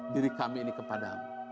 diri kami ini kepadamu